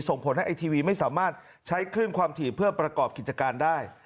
ส่งผลให้ไอทีวีไม่สามารถใช้คลื่นความถี่เพื่อประกอบกิจการได้